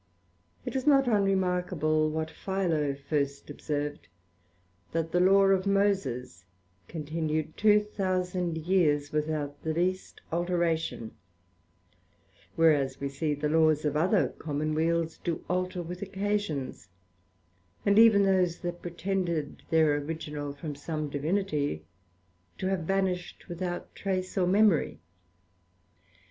It is not unremarkable what Philo first observed, That the Law of Moses continued two thousand years without the least alteration; whereas, we see, the Laws of other Common weals do alter with occasions; and even those, that pretended their Original from some Divinity, to have vanished without trace or memory.